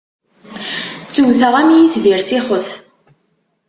Ttewwteɣ am yitbir s ixef.